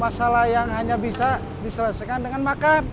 masalah yang hanya bisa diselesaikan dengan makar